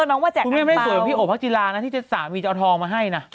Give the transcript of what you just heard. อังเป้าสิคุณแม่ไม่ได้สวยเหมือนพี่โอ๋ภักดิ์จีลานะที่สามีจะเอาทองมาให้นะ